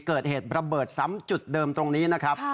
เกิดเหตุระเบิดซ้ำจุดเดิมตรงนี้นะครับ